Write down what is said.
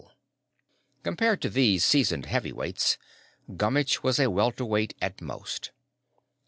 Compared to these seasoned heavyweights, Gummitch was a welterweight at most.